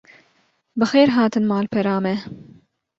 Bi xêr hatin malpera me